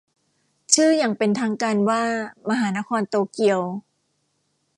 ชื่ออย่างเป็นทางการว่ามหานครโตเกียว